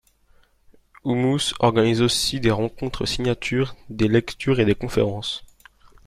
HumuS organise aussi des rencontres-signatures, des lectures et des conférences.